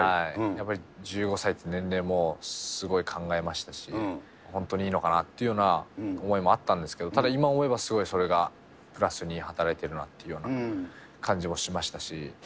やっぱり１５歳という年齢もすごい考えましたし、本当にいいのかなっていうような思いもあったんですけど、ただ今思えば、それがプラスに働いてるなっていうような感じもしましたし。